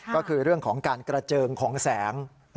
ก็คือเรื่องของการกระเจิงของแสง